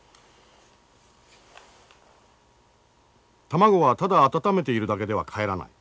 卵はただ温めているだけではかえらない。